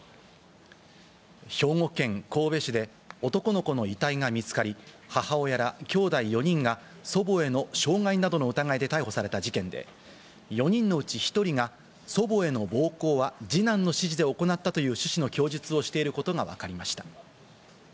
兵庫県神戸市で男の子の遺体が見つかり、母親やらきょうだい４人が祖母への傷害などの疑いで逮捕された事件で、４人のうち１人が、祖母への暴行は二男の指示で行ったという趣旨の供述をしていることがわかりました。